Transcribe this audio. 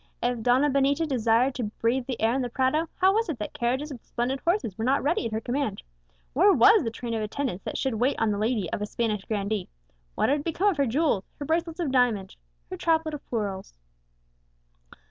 If Donna Benita desired to breathe the air in the Prado, how was it that carriages with splendid horses were not ready at her command? Where was the train of attendants that should wait on the lady of a Spanish grandee? What had become of her jewels, her bracelets of diamonds, her chaplet of pearls?